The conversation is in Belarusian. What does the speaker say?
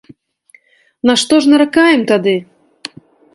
На што ж наракаем тады?